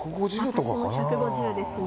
私も１５０ですかね。